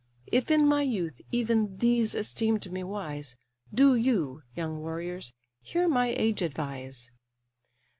If in my youth, even these esteem'd me wise; Do you, young warriors, hear my age advise.